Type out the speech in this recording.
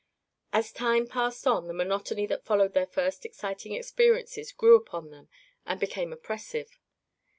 As time passed on the monotony that followed their first exciting experiences grew upon them and became oppressive.